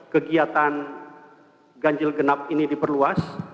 kegiatan ganjil genap ini diperluas